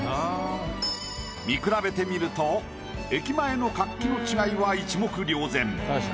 見比べてみると駅前の活気の違いは一目瞭然。